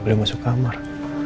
beli masuk kamar